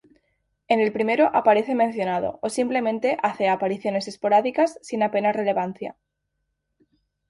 En el primero aparece mencionado, o simplemente hace apariciones esporádicas sin apenas relevancia.